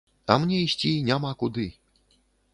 А мне ісці няма куды.